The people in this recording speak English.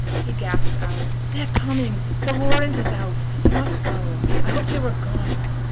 He gasped out, 'They're coming! the warrant is out. You must go. I hoped you were gone.'